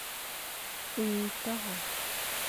uyitaho